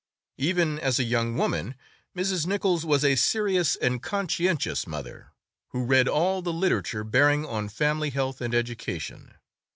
Even as a young woman Mrs. Nichols was a serious and conscientious mother, who read all the literature bearing on family health and education.